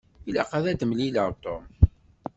Ilaq ad d-mmlileɣ Tom.